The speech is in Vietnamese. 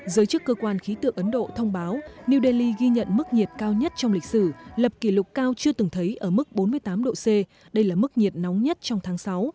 giới chức cơ quan khí tượng ấn độ thông báo new delhi ghi nhận mức nhiệt cao nhất trong lịch sử lập kỷ lục cao chưa từng thấy ở mức bốn mươi tám độ c đây là mức nhiệt nóng nhất trong tháng sáu